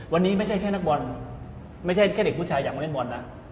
วันนี้ไม่ใช่แค่นักบอลไม่ใช่แค่เด็กผู้ชายอยากมาเล่นบอลนะ